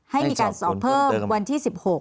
ให้มีการสอบเพิ่มวันที่๑๖